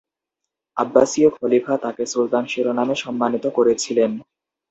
আব্বাসীয় খলিফা তাকে সুলতান শিরোনামে সম্মানিত করেছিলেন।